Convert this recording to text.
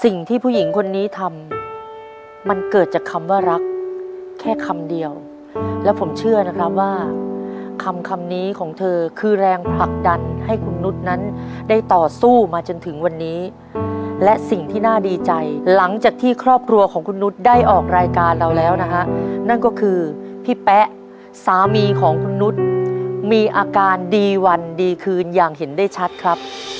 สิ่งที่ผู้หญิงคนนี้ทำมันเกิดจากคำว่ารักแค่คำเดียวและผมเชื่อนะครับว่าคำคำนี้ของเธอคือแรงผลักดันให้คุณนุษย์นั้นได้ต่อสู้มาจนถึงวันนี้และสิ่งที่น่าดีใจหลังจากที่ครอบครัวของคุณนุษย์ได้ออกรายการเราแล้วนะฮะนั่นก็คือพี่แป๊ะสามีของคุณนุษย์มีอาการดีวันดีคืนอย่างเห็นได้ชัดครับ